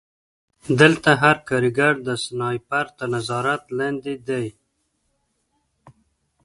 دلته هر کارګر د سنایپر تر نظارت لاندې دی